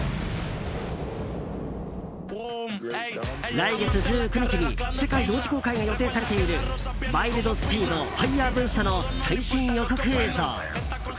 来月１９日に世界同時公開が予定されている「ワイルド・スピード／ファイヤーブースト」の最新予告映像。